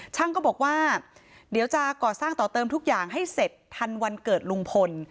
ก็บอกว่าเดี๋ยวจะก่อสร้างต่อเติมทุกอย่างให้เสร็จทันวันเกิดลุงพล